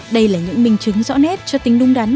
đây là những minh chứng rõ nét cho tính đúng đắn